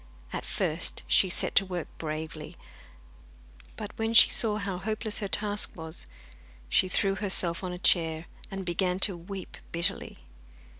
At first she set to work bravely, but when she saw how hopeless her task was, she threw herself on a chair, and began to weep bitterly.